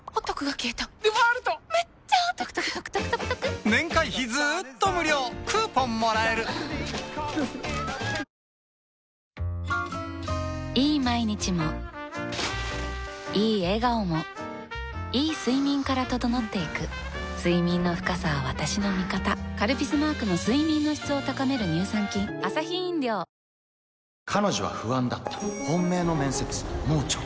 ミュージカルあるあるいい毎日もいい笑顔もいい睡眠から整っていく睡眠の深さは私の味方「カルピス」マークの睡眠の質を高める乳酸菌いくつになっても新しくなれるんだ